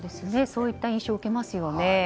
そういった印象を受けますよね。